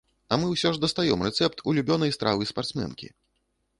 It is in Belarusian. А мы ўсё ж дастаём рэцэпт улюбёнай стравы спартсменкі.